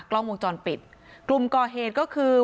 กล้องวงจรปิดกลุ่มก่อเหตุก็คือ